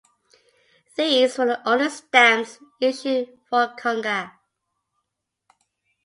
These were the only stamps issued for Kionga.